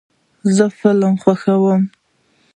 زه فلم خوښوم.